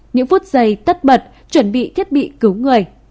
những phút giây tất bật chuẩn bị thiết bị cứu người